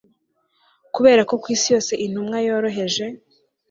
Kuberako kwisi yose intumwa yoroheje